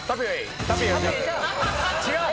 違う！